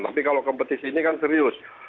tapi kalau kompetisi ini kan serius